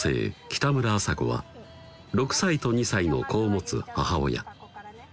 北村麻子は６歳と２歳の子を持つ母親